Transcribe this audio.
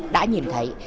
đã nhìn thấy